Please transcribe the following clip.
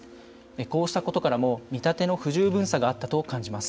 こうしたことからも見立ての不十分さがあったと考えます。